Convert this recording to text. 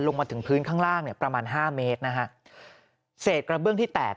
มาถึงพื้นข้างล่างเนี่ยประมาณห้าเมตรนะฮะเศษกระเบื้องที่แตก